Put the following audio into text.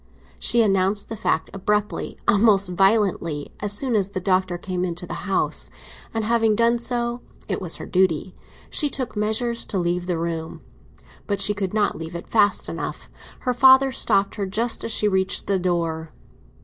She announced the fact abruptly, almost violently, as soon as the Doctor came into the house; and having done so—it was her duty—she took measures to leave the room. But she could not leave it fast enough; her father stopped her just as she reached the door.